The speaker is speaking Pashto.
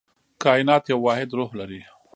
کائنات یو واحد روح لري.